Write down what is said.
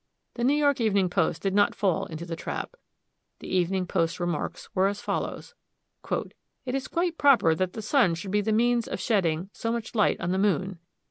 The New York Evening Post did not fall into the trap. The Evening Post's remarks were as follows: "It is quite proper that the Sun should be the means of shedding so much light on the Moon.